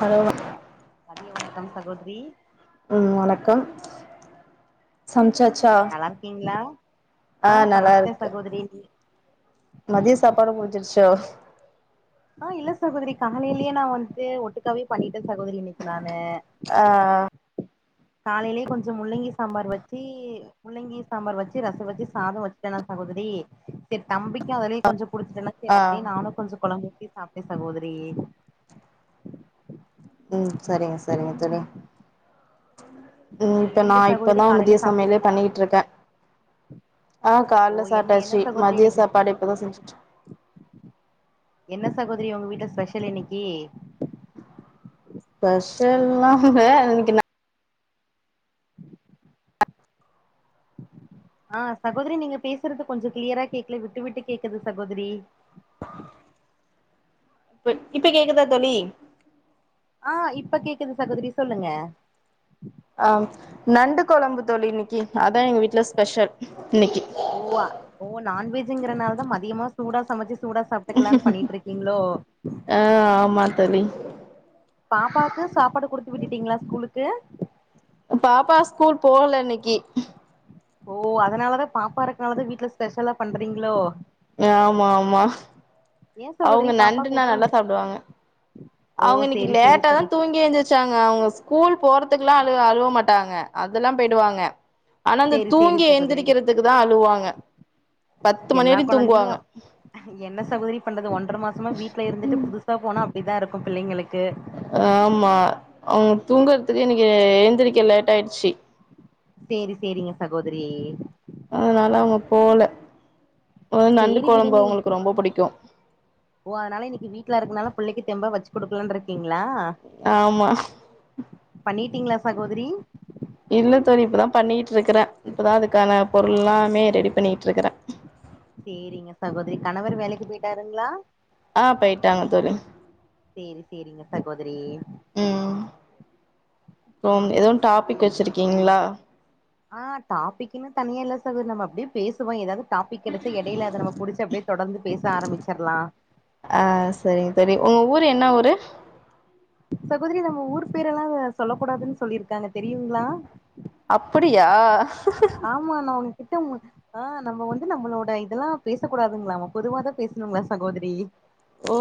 hello வணக்கம் மதிய வணக்கம் கம்ஸ்கோதிரி உம் வணக்கம் சமைச்சாச்சா நல்லா இருக்கீங்களா ஆ ஆஹ் நல்லா சமைச்சிட்டே இருக்கு சகோதரி நீ மதியம் சாப்பாடு முடிச்சிருச்சு தோஸ் ஆஹ இல்ல சகோதரி காலயிலேயே நான் வந்துட்டு ஒட்டுக்காவே பண்ணிட்டு சகோதரி நக்கு நானு ஆஹ காலையிலயே கொஞ்சம் முள்ளங்கி சாம்பார் வச்சு முள்ளங்கி சாம்பார் வச்சு ரசம் வச்சு சாதம் வச்சுட்டேனா சகோதரி சரி தம்பிக்கு அதுலையும் கொஞ்சம் குடுத்துட்டலாம் சரி ஆ அப்படியே நானும் கொஞ்சம் கொழு சாப்பிட்டேன் சகோதரி உம் சரிங்க சரிங்க தெரியுங் உம் இப்ப நீங்க நான் சகோதரி இப்பதான் மதிய காலையில சமையிலயே சாப்ட்டீங்களா பண்ணிக்கிட்டு இருக்கேன் ஆஹ ஓ கால்ல என்ன என்ன சாப்பிட்டாச்சு சகோதரி மதிய இன்னைக்கு சாப்பாடு இப்பதான் செஞ்சுச்சு என்ன சகோதரி உங்க வீட்ட ஸ்பெஷல் இன்னைக்கு ஸ்பெஷல்லாம் இன்னைக்கு நான்வெஜ் ஆஹ சகோதரி நீங்க பேசுறது கொஞ்ச கிளியரா கேக்கல விட்டு விட்டு கேக்குது சகோதரி இப்ப இப்ப கேக்குதா தோழி ஆஹ இப்ப கேக்குது சகோதரி சொல்லுங்க ஆஹ நண்டு குழம்பு தோழி இன்னைக்கு அதான் எங்க வீட்ல ஸ்பெஷல் இன்னைக்கு ஓ ஓ நான்வெஜ்ங்கறனால தா மதியமா சூடா சமச்சு ஆஹ ஆமா தோழி பாப்பாக்கு சாப்பாடு குடுத்து விட்டு விட்டீங்களா ஸ்கூலுக்கு பாப்பா ஸ்கூல் போகல இன்னைக்கு ஓ அதனாலதான் பாப்பா இருக்கனாலதான் வீட்ல ஸ்பெஷலா பண்றீங்களோ ஆமா ஆமா ஏ சகோதரி அவுங்க பாப்பாக்கு நண்டுன்னா உடல் நல்லா சாப்டுவாங்க ஓ அவுங்க இன்னைக்கு சேரி சேரி லேட்டா சகோ தான் தூங்கி எந்திரிச்சாங்க அவுங்க ஸ்கூல் போறதுக்கெல்லாம் அழு அழுவ மாட்டாங்க அதெல்லாம் போயி்டுவாங்க சேரி சேரி சகோதரி அழுவாங்க பத்து மணி எல்லா வரையு தூங்குவாங்க குழந்தையும் என்ன சகோதரி பண்றது ஒன்ற மாசமா வீட்ல இருந்துட்டு புதுசா போனா இதான் இருக்கும் பிள்ளைங்களுக்கு ஆமா அவுங்க தூங்குறதுக்கு இன்னைக்கு ஏந்திரிக்க லேட்டா ஆயிடுச்சு சேரி சேரிங்க சகோதரி அதனால அவுங்க போல நண்டு சேரி குழம்பு விடுங்க அவுங்களுக்கு ரொம்ப பிடிக்கும் ஓ அதனால இன்னைக்கு வீட்ல இருக்கனால பிள்ளைக்கு தெம்பா வச்சு கொடுக்கலாம்னு இருக்கீங்க களா ஆமா பண்ணிட் [unintelligible] டிங்களங்களா சகோதரி இல்ல தோழி இப்பதான் பண்ணிட்டு இருக்கறேன் இப்பதான் அதுக்கான பொருள் எல்லாமே ரெடி பண்ணிட்டு இருக்கறேன் சேரிங்க சகோதரி கணவர் வேலைக்கு போயிட்டாருங்களா ஆஹ போயிட்டாங்க தோழி சேரி சேரிங்க சகோதரி உம் அப்றம் எதவும் டாப்பிக் வச்சிருக்கீங்களா ஆஹ டாபிக்ன்னு தனியா இல்ல சகோ நம்ம அப்டியே பேசுவோம் ஏதாவது டாப்பிக் கிடைச்சா இடையில அதை நம்ம புடிச்சு அப்டியே தொடர்ந்து பேச ஆரம்பிச்சிடலாம் ஆ சரிங்க தோழி உங்க ஊர் என்ன ஊரு சகோதரி நம்ம ஊர் பேரெல்லாம் சொல்ல கூடாதுன்னு சொல்லியிருக்காங்க தெரியுங்களா அப்படியா கிட்ட ஆஹ நம்ம வந்து நம்மளோட இதெல்லாம் பேச கூடாதுங்களாம் பொதுவாதான் பேசணுங்களா சகோதரி ஓ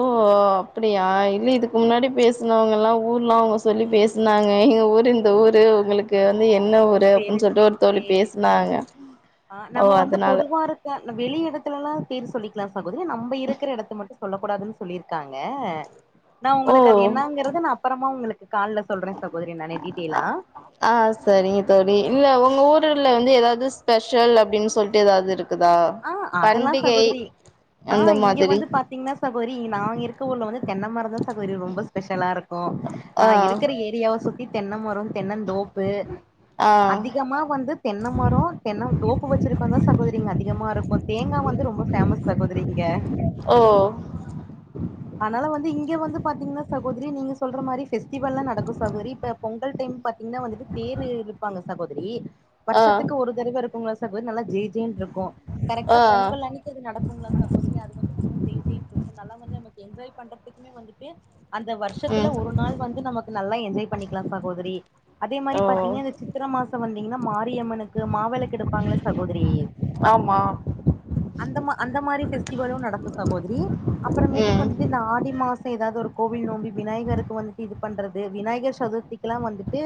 அப்படியா இல்ல இதுக்கு முன்னாடி பேசுனவங்கல்லாம் ஊர்லாம் அவுங்க சொல்லி பேசுனாங்க எங்க ஊரு இந்த ஊரு உங்களுக் கு வந்து என்ன ஓ ஊரு சேரி அப்டின்னு சொல்லிட்டு ஒருத்தர் பேசுனாங்க ஆஹ ஓ நம்ம வந்து அதனால பொதுவா இருக்க வெளி இடத்துல எல்லாம் சொல்லிக்கலாம் சகோதரி நம்ம இருக்கிற இடத்த மட்டும் சொல்ல கூடாதுன்னு சொல்லியிருக்காங்க நான் உங்களுக்கு அது என்னங்கறது நான் அப்புறமா உங்களுக்கு கால்ல சொல்றே சகோதரி நானு டீட்டெய்லா ஆஹ சரிங்க தோழி இல்ல உங்க ஊர் வந்து எதாவது ஸ்பெஷல் அப்படின்னு சொல்லிட்டு எதாவது இருக்கா ஆஹ அதெல்லாம் சகோதரி ஆஹ அந்த இங்க மாதிரி வந்து பாத்தீங்கன்னா சகோதரி நாங்க இருக்க ஊர்ல வந்து தென்னைமரதான் சகோதரி ரொம்ப ஸ்பெஷலா இருக்கும் கு ஆ நான் இருக்கிற ஏரியாவ சுத்தி தென்ன மரம் தென்ன தோப்பு ஆ அதிகமா வந்து தென்ன மரம் தென்ன தோப்பு வச்சிருக்கவங்க தான் சகோதரிங்க அதிகமா இருக்கும் தேங்காய் வந்து ரொம்பொமஸ் சகோதரி இங்க ஓ ஆனால வந்து இங்க வந்து பாத்தீங்கன்னா சகோதரி நீங்க சொல் மாதிரி பெஸ்டி வெல்லாம் நடக்கும் சகோதரி இப்ப பொங்கல் டைம் பாத்தீங்கன்னா வந்துட்டு தேரு இருப்பாங்க சகோதரி ஆ வருஷத்துக்கு ஒரு தடவ இருக்கு உங்கள சகோதரி நல்ல ஜெ ஜெ ன் ஆ கரெக்டா பொங்கல் அன்னைக்கு அது நடக்குங்களா சகோதரி அது வந்து ஜேஜே இருக்கும் நல்லா வந்து ந என்ஜாய் பண்றதுக்குனே வந்துட்டு அந்த ம் வருஷத்துல ஒரு நாள் வந்து நமக்கு நல்லா என்ஜாய் பண்ணிக்கலாம் சகோதரி அதே மாதிரி ஓ பாத்தீங்க இந்த சித்திரமாசோ வந்தீங்கன்னா மார் மாரி அம்மனுக்கு மாவிளக்கு எடுப்பாங்கள சகோதரி ஆமா அந்த மா அந்த மாதிரி பெஸ்டிவலும் நடக்கும் சகோதரி அப்புறமேட்டுக்கு ம் வந்துட்டு இந்த ஆடி மாசம் எதாவது ஒரு கோவில் நோம்பி விநாயகருக்கு வந்துட்டு இது பண்றது விநாயகர் சதுர்த்திக்கு எல்லாம் வந்துட்டு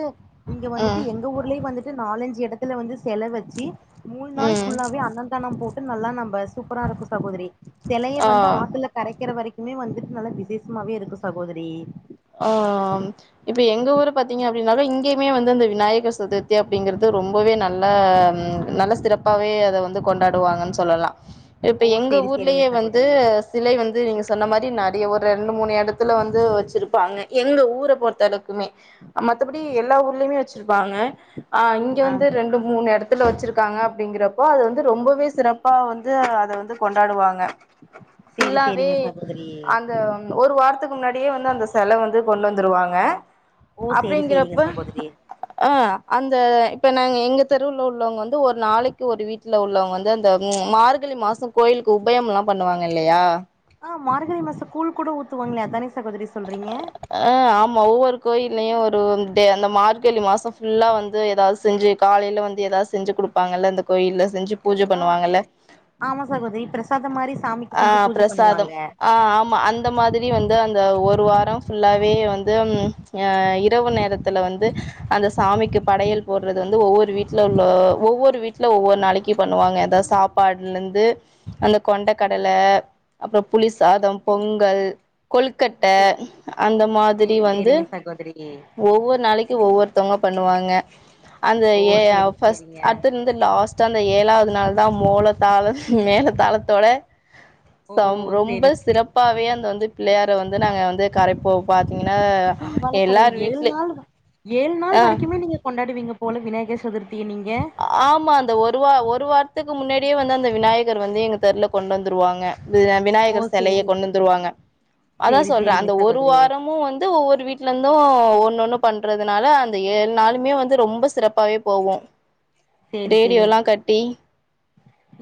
இங்க வந்துட்டு ம் எங்க ஊர்லயும் வந்துட்டு நாலஞ்சு இடத்துல வந்து செல வச்சு மூல் நாள் ம் ஃபுல்லாவே அந்ந லம் போட்டு நல்லா நம்ப சூப்பரா இருக்கும் சகோதரி சிலையை வந்து ஆ ஆத்துல கரைக் இருக்கிற வரைக்குமே வந்துட்டு நல்லா விசேஷமாவே இருக்கும் சகோதரி ஆஹ இப்ப எங்க ஊரு பாத்தீங்க அப்படின்னக்க இங்கேயுமே வந்து இந்த விநாயகர் சதுர்த்தி அப்படிங்கறிறது ரொம்பவே நல்ல நல்ல சிறப்பாவே அதை வந்து கொண்டாடுவாங்கன்னு சொல்லலாம் இப்ப ஓ எங்க சேரி சேரிங்க ஊர்லயே வந்து சகோதரி சிலை வந்து நீங்க சொன்ன மாரி ந ங்க ஒரு ரெண்டு மூணு இடத்துல வந்து வச்சிருப் ப்பாங்க எங்க ஊரை பொறுத்தளவுக்குமே மத்தபடி எல்லா ஊர்லயுமே வச்சிருப்பாங்க ஆஹ் இங்க ஆ வந்து ரெண்டு மூணு இடத்துல வச்சிருக்காங்க அப்படிங்கறப்போ அது வந்து ரொம்பவே சிறப்பா வந்து வந்து கொண்டாடுவாங்க சேரி புல்லாவே சேரிங்க சகோதரி அந்த ஒரு வாரத்துக்கு முன்னாடியே வந்து அந்த சோ செலவு வந்து கொண்டு வந்ருவாங்க ஓ சேரி சேரிங்க அப்டிங்கிறப்ப சகோதரி ஆஹ் அந்த இப்ப நாங்க எங்க தெருவுல உள்ளவங்க வந்து ஒரு நாளைக்கு ஒரு வீட்ல உள்ளவங்க வந்து அந்த மார்கழி மாசம் கோயிலுக்கு உபயம்லாம் பண்ணுவாங்க இல்லையா ஆ மார்கழி மாசம் கூூல் கூட ஊத்துவாங்களோ அதானே சகோதரி சொல்றீங்க ஆஹ் ஆமா ஒவ்வொரு கோயிலயும் ஒரு அந்த மார்கழி மாசம் ஃபுல்லா வந்து ஏதாவது செஞ்சு காலையில வந்து ஏதாவ செஞ்சு குடுப்பாங்கல இந்த கோயில்ல செஞ்சு பூஜை ஆ பண்ணுவாங்கல்ல ஆமா சகோதரி பிரசாதம் மாரி சாமிக்கு செஞ்சு ஆஹ் பூஜ பிரசாதம் பண்ணுவாங்க ஆஹ் ஆமா அந்த மாதிரி வந்து அந்த ஒரு வாரம் ஃபுல்லாவே வந்து இரவு நேரத்துல வந்து அந்த சாமிக்கு படையல் போடுறது வந்து ஒவ்வொரு வீட்ல உள்ள ஒவ்வொரு வீட்டு இல்ல ஒவ்வொரு நாளைக்கு பண்ணுவாங்க சாப்பாட்ல இருந்து அந்த கொண்டகடலை அப்புறம் புளி சாதம் பொங்கல் கொழுக் க்கட்டை சே அந்த மாதிரி சேரி வந்து சேரிங்க சகோதரி ஒவ்வொரு நாளைக்கும் ஒவ்வொரு அவங்க பண்ணுவாங்க அந்த ஓ யர் சேரி ஆப் சேரிங்க ஃபஸ்ட்டு இருந்த லஸ்ட்டு அந்த ஏழாவது நாள் தான் மூள தாள மேல தாளத்தோட ஓ ரொம்ப சேரி சிறப்பாவே அந்த வந்து புள்ளயார‌ வந்து நாங்க வந்து கரைப்போ பாத்தீங்கன்னா பரவாயில சகோதரி எல்லார் ஏழு வீட்ல நாள் ஏழு நாள் ஆ வரைக்குமே நீங்க கொண்டாடுவீங்க போல விநாயக சதுர்த்தி ஆமா அந்த ஒருவா ஒர் ஒரு வாரத்துக்கு முன்னாடியே வந்து அந்த விநாயகர் வந்து எங்க தெருல கொண்டுவந்ருவாங்க ஓ விநாயகர் செலைய சேரி கொண்டந்ருவாங்க அதான் சேரி சொல்றேன் சேரிங்க அந்த ஒரு சகோதரி வாரமும் வந்து ஒவ்வொரு வீட்டுல இந்தும் ஒன்னொன்னு பண்றதுனால அந்த ஏழு நாளுமே வந்து ரொம்ப சிறப்பாவே போவும் சேரி சேரி ரேடியோலாம் கட்டி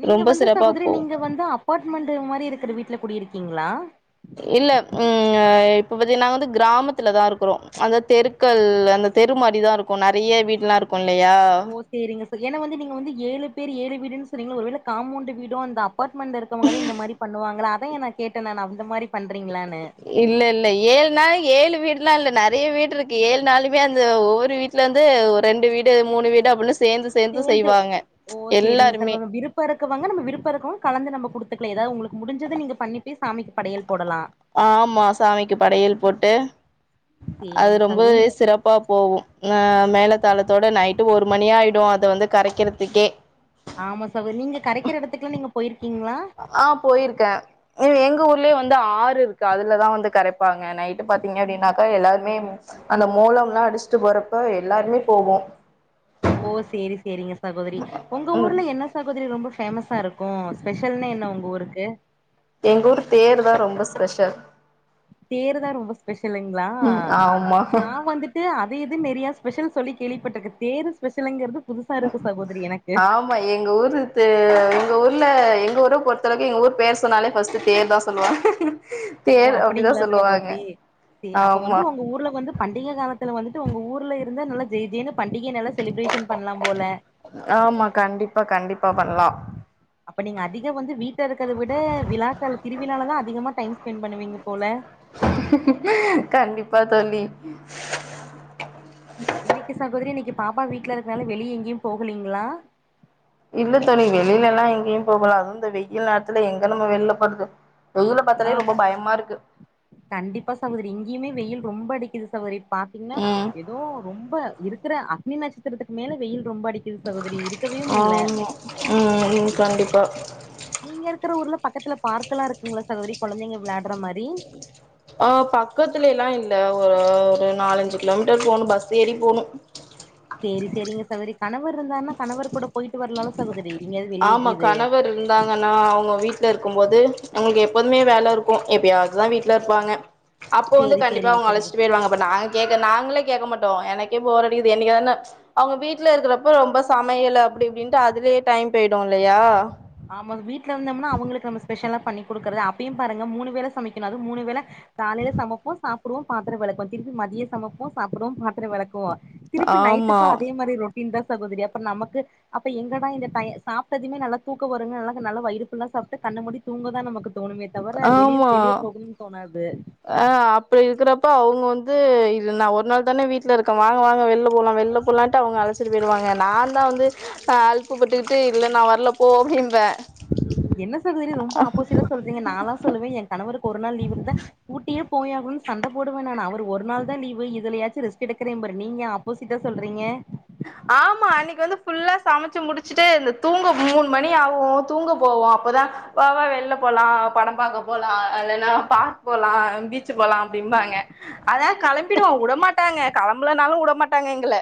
நீங்க ரொம்ப வந்து சிறப்பா சகோதிரி போவு நீங்க வந்து அபார்ட்மெண்டு மாரி இருக்குற வீட்ல குடியிருக்கீங்ளா இல்ல உஹம் இப்ப பாத்தீங்கனா நாங்க வந்து கிராமத்துல தான் இருக்கிறோம் அந்த தெருக்கள் அந்த தெரு மாரிதான் இருக்கும் நிறைய வீட்லாம் இருக்கும் கொல்லையா ஏனா வந்து நீங்க வந்து ஏழு பேர் ஏழு வீடுன்னு சொன்னீங்கல ஒருவேளை காமோண்டு வீடும் அந்த அபார்ட்மண்டு இருக்கவங்க இந்த மாரி பண்ணுவாங்க அதான் கேட்டன் நானு இந்த மாரி ப இல்ல இல்ல ஏழு நாலு ஏழு வீடு இல்ல இல்ல நிறைய வீடு இருக்கு ஏழு நாளுமே அந்த ஒவ்வொரு வீட்ல வந்து ஒரு ரெண்டு வீடு மூணு வீடு அப்படின்னு சேர்ந்து ஓ சரிங்க சார் எல்லாருமே விருப்பம் இருக்கவங்க நம்ம விருப்பம் இருக்கவங்க கலந்து நம்ம கொடுத்து ஏதாவ உங்களுக்கு முடிஞ்சது நீங்க பண்ணிட்டு ஆமா சாமிக்கு படையல் போட்டு அது சேரிங்க சகோ உங் ரொம்பவே சிறப்பா போகும் ஆஹ் மேல தலத்தோட நைட்டு ஒரு மணியாயிடும் அத வந்து கரைக்கிறதுக்கே ஆமா சகோதரி நீங்க கரைக்கிற இடத்துக்கு நீங்க போயிரு ஆஹ் போயிருக்கன் எங்க ஊர்லயே வந்து ஆறு இருக்கு அதுலதான் வந்து கரைப்பாங்க நைட்டு பாத்தீங்க அப்படின்னாக்கா எல்லாருமே அந்த மோலம்லாம் அடிச்சுட்டு போறப்ப எல்லாருமே போவும் ஓ சேரி சேரிங்க சகோதரி உங்க ம் ஊர்ல என்ன சகோதரி ரொம்ப ஃபேமஸா இருக்கும் ஸ்பெஷல்னா என்ன உங்க ஊருக்கு எங்க ஊர் தேர் தான் ரொம்ப ஸ்பெஷல் தேரு தான் ரொம்ப ஸ்பெஷலுங்களா ம் ஆமா நான் வந்துட்டு அதே இது நறைய ஸ்பெஷல் சொல்ல கேள்விப்பட்டிருக்க தேர் ஸ்பெஷல்ங்கிறது ஆமா எங்க ஊரு தே எங்க ஊர்ல எங்க ஊரை பொறுத்தளவுக்கு எங்க ஊர் பேர் சொன்னாலே ஃபர்ஸ்ட் தேர் தான் சொல்லுவாங்க ஓ தேர் அப்டிதா அப்படிங்களா சொல்லுவாங்க சகோதரி சரி அப்ப வந்து ஆமா உங்க ஊர்ல வந்து பண்டிகை காலத்துல வந்து உங்க ஊர்ல இருந்த நல்லா ஜெய் ஜெய்னு பண்டிகை நல்லா செலிப்ரேஷன் பண்ணலாம் போல பா பண்ணலாம் அப்ப நீங்க அதிகம் வந்து வீட்ல இருக்கிறத விட விழாக்கள் திருவிழாலதான் அதிகமா டைம் ஸ்பென்ட் பண்ணுவீங்க போல கண்டிப்பா தோழி இன்னைக்கு சகோதரி இன்னைக்கு பாப்பா வீட்டுல இருக்கனால வெளிய எங்கேயும் போகலீங்களா இல்ல தோழி வெளியில எல்லாம் எங்கேயும் போகலாம் அதுவும் இந்த வெயில் நேரத்துல எங்க நம்ம வெளில போறது வெயில பாத்தாலே ஆஹ் ரொம்ப பயமா இருக்கு கண்டிப்பா சகோதரி இங்கேயுமே வெயில் ரொம்ப அடிக்குது சகோதரி பாத்தீங்கன்னா ம் ஏதோ ரொம்ப இருக்குற அக்னி நட்சத்திரத்துக்கு மேல வெயில் ரொம்ப அடிக்குது சகோதரி இருக்கவே முல்ல ஆமா உம் உம் கண்டிப்பா நீங்க இருக்கிற ஊர்ல பக்கத்துல பார்க் எல்லாம் இருக்குங்களா சகோதரி குழந்தைங்க விளையாடுற மாறி ஆஹ் பக்கத்துல எல்லாம் இல்ல ஒரு ஒரு நாலஞ்சு கிலோமீட்டர் போகணும் பஸ் ஏறி போணும் சேரி சேரிங்க சகோரி கணவர் இருந்தார்னா கணவர் கூட போயிட் வரலால சகோதரி எங்கயாவது வெளிய ஆமா கீது கணவர் இருந்தாங்கன்னா அவுங்க வீட்ல இருக்கும் போது அவுங்களுக்கு எப் போதுமே வேல இருக்கும் எப்ப யாதுதான் வீட்ல இருப்பாங்க அப்போ வந்து சேரி கண்டிப்பா சேரிங்க அவுங்க சகோதரி அழைச்சிட்டு போயிருவாங்க அப்ப நா கேக்க நாங்களே கேட்க மாட்டோம் எனக்கே போரடிக்குது என்னைக்காதுனா அவுங்க வீட்ல இருக்கிறப்ப ரொம்ப சமையல் அப்டி இப்டின்ட்டு அதுலயே டைம் போய்டும் இல்லையா ஆமா வீட்ல இருந்தோம்னா அவுங்களுக்கு நம்ம ஸ்பெஷலா பண்ணி குடுக்குறது அப்பயும் பாருங்க மூணு வேளை சமைக்கனும் மூணு வேளை காலையில சமைப்போம் சாப் புறோம் பாத்திர விளக்குவோம் திருப்பி மதிய சமைப்போம் சாப்டுறவோம் பாத்திர விளக்குவோம் திருப்பி ஆமா நைட்டுக்கும் அதே மாரி ரொட் டின்தா சகோதரி அப்ப நமக்கு அப்ப எங்கடா இந்த டைம் சாப்ட்டதுமே நல்லா தூக்க வருங்க நல்லா நல்ல வைரு புல்லா சாப்ட்டு கண்ண மூடி தூங்க தான் நமக்கு தோணுமே தவர வெளியே ஆமா வெளியே போகணும்னு தோணாது இப்ப அவுங்க வந்து நா ஒரு நாள் தானே வீட்ல இருக்கேன் வாங்க வாங்க வெளில போலாம் வெளில போலான்ட்டு அவுங்க அழச்சிட்டு போயிடுவாங்க நான் தான் வந்து அலுப்புபட்டுக்கிட்டு இல்ல நா வரல போ அப்டிம்பேன் என்ன சகோதரி ரொம்ப ஆப்போசீட்டா சொல்றீங் நானாலா சொல்லுவன் என் கணவருக் கொரு நாள் லீவு இருந்தா ஊட்டியே போயாகும்னு சண்டபோடுவேன் நானு அவுர் ஒரு நாள் தான் லீவு இதுலயாச்சும் ரெஸ்ட் எடுக்குரேம்பாரு நீங்க ஆப்போசிட்டா சொல்றீங்க ஆமா அன்னைக்கு வந்து புல்லா சமைச்சு முடிச்சுட்டு இந்த தூங்க மூணு மணி ஆகும் தூங்க போவோம் அப்பதான் வாவா வெளில போலாம் படம் பார்க்க போலாம் இல்லன்னா பார்க் போகலாம் பீச்சு போலாம் அப்டிம்பாங்க ஆனா கிளம்பிடுவோம் வுடமாட்டாங்க கிளம்புலனாலும் வுடமாட்டாங்க எங்கள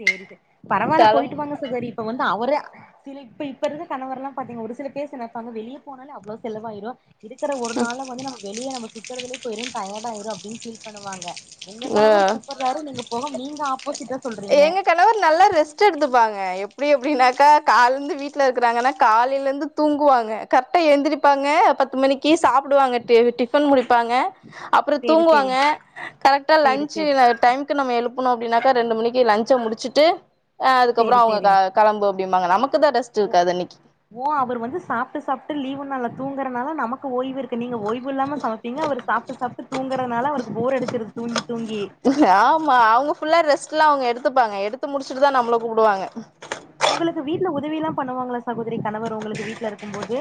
சேரி சேர் பரவாயில்ல களம் போயிட்டு வாங்க சாகோரி இப்ப வந் அவர சில இப்ப இப்ப இருக்க கணவர் எல்லாம் பாத்தீங்க ஒரு சில பேர் நினைப்பாங்க வெளியே போனாலே அவ்ளோ செலவாயிரும் இருக்கிற ஒரு நாள்ல வந்து நம்ம வெளியே நம்ம சுத்றதிலே போயிடும் டயடா ஆயிறும் அப்டின்னு ஃபீல் பண்ணுவாங்க உங்க ஆ கணவர் கூப்பறாரு நீங்க போக நீங்க ஆப்போசிட்டா சொல்றீங்க எங்க கணவர் நல்லா ரெஸ்ட் எடுத்துப்பாங்க எப்டி எப்டினாக்கா கால்லேந்து வீட்ல இருக்கிறாங்கன்னா காலயிலே இருந்து தூங்குவாங்க கரெக்டா எந்திரப்பாங்க பத் பத்து மணிக்கு சாப்டுவாங்க டிஃபன் முடி ப்பாங்க அப்புறம் சேரி தூங்குவாங்க சேரி கரெக்டா சேரி லஞ்ச் சேரி டைமுக்கு நம்ம எழுப் புனோ அப்டினாக்க ரெண்டு மணிக் லஞ்ச முடிச்சுட்டு அதுக்கப்புறம் அவுங்க கெளம்பு அப்டின்னு நாங்க நமக் ஓ ஓ அவர் வந்து சாப்டு சாப்டு லீவு நல்லா தூங்குறதுனால நமக்கு நமக்கு ஓய்வு இருக்கு நீங்க ஓய்வு இல்லாம சாமைப்பீங்க சாப்டு சாப்டு தூங்கறதுனால அவர் போர் அடிச்சுறது தூங்கி தூங்கி ஆமா அவங்க புல்லா ரெஸ்ட் முதல்ல அவங்க எடுத்துப்பாங்க எடுத்து முடிச்சிட்டுதான் நம்பள கூப்பிடுவாங்க உங்களுக்கு வீட்டுல உதவி எல்லாம் பண்ணுவாங்களா சகோதரி கணவர் உங்களுக்கு வீட்டு்ல இருக்கும்போது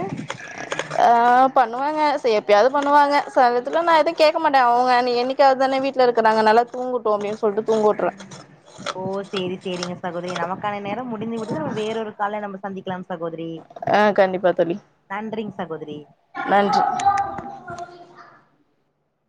ஆஹ பண்ணுவாங்க ச எப்பயாவது பண்ணுவாங்க சகஜத்தில நான் எதுவும் கேட்க மாட்டேன் அவங்க நீ என் [unintelligible] அதுதானே வீட்டுல இருக்கறாங்க நல்லா தூங்கட்டுமே சொல்லிட்டு தூங்க விட்ருவேன் அர நேரம் இன்னொரு விட்டு வேறொரு கால நம்பர்ஸ் சந்திக்கலாம் சார் சகோதரி ஆ கண்டிப்பா தோழி நன்றிங்க சகோதரி நன்றி